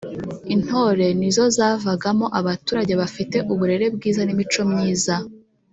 intore nizo zavagamo abaturage bafite uburere bwiza, n’imico myiza.